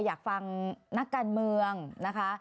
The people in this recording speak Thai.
อยากฟังนักการเมืองนะคะ